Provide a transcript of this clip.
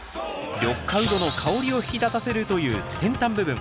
緑化ウドの香りを引き立たせるという先端部分。